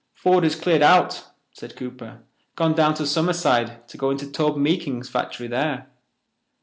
"Ford has cleared out," said Cooper, "gone down to Summerside to go into Tobe Meekins's factory there.